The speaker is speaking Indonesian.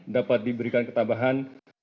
dapat diberikan ketabahan